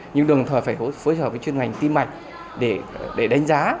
nhưng đồng thời phải phối hợp với chuyên ngành tiêm mạnh để đánh giá